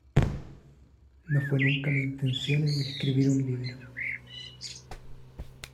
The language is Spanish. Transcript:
No fue nunca mi intención el escribir un libro.